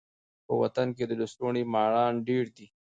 په وطن کي د لستوڼي ماران ډیر دي.